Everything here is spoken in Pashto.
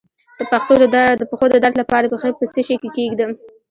د پښو د درد لپاره پښې په څه شي کې کیږدم؟